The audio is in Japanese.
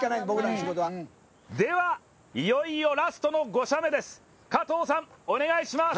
では、いよいよラストの５射目です、加藤さん、お願いします。